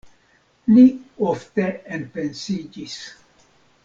Li ofte enpensiĝis.